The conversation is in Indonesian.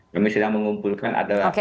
yang sedang mengumpulkan adalah